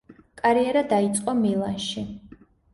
კარიერა დაიწყო „მილანში“.